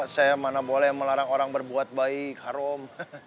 saya mana boleh melarang orang berbuat baik harum